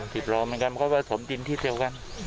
๑๐ล้อเหมือนกันก็สมดินที่เที่ยวกัน